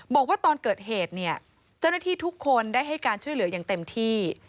บอกว่าตอนเกิดเหตุเนี่ยเจ้าหน้าที่ทุกคนได้ให้การช่วยเหลืออย่างเต็มที่